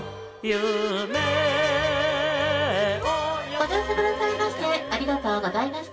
ご乗車くださいましてありがとうございました。